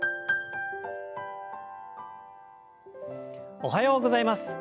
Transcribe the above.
おはようございます。